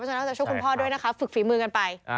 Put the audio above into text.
ต้องช่วยคุณพ่อด้วยนะครับฝึกฝีมือกันไป